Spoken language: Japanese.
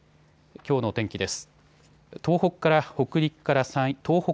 きょうの天気です。